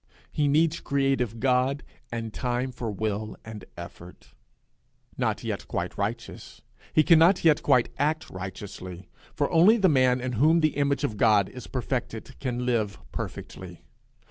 He needs creative God, and time for will and effort. Not yet quite righteous, he cannot yet act quite righteously, for only the man in whom the image of God is perfected can live perfectly.